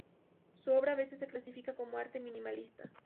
Su obra a veces se clasifica como arte minimalista.